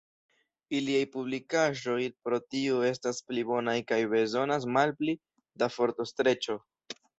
Iliaj publikaĵoj pro tio estas pli bonaj kaj bezonas malpli da fortostreĉo.